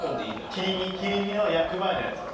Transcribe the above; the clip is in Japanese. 切り身切り身の焼く前のやつ。